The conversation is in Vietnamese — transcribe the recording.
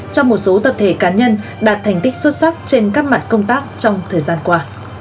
cho một số tập thể cá nhân đạt thành tích xuất sắc trên các mặt công tác trong thời gian qua